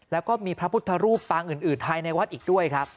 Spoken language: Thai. แล้วก็มีพระพุทธรูปปางอื่นภายในวัดอีกด้วยครับ